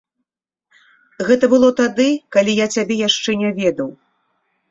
Гэта было тады, калі я цябе яшчэ не ведаў.